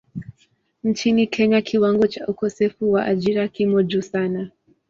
Nchini Kenya kiwango cha ukosefu wa ajira kimo juu sana.